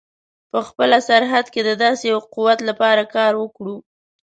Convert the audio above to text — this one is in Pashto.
په خپله سرحد کې د داسې یوه قوت لپاره کار وکړو.